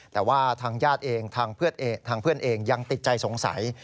แต่ว่าทางญาติเองทางเพื่อนเองยังติดใจสงสัย